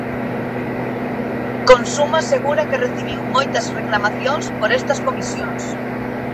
Consumo asegura que recibiu moitas reclamacións por estas comisións.